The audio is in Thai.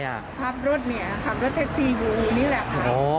ทับรถเมียขับรถแท็กซี่อยู่นี่แหละค่ะ